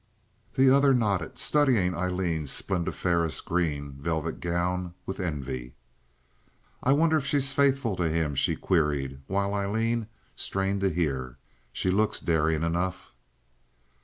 The other nodded, studying Aileen's splendiferous green—velvet gown with envy. "I wonder if she's faithful to him?" she queried, while Aileen strained to hear. "She looks daring enough."